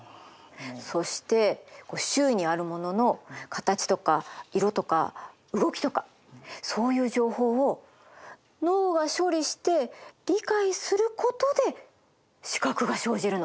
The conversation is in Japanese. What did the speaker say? そして周囲にあるものの形とか色とか動きとかそういう情報を脳が処理して理解することで視覚が生じるの。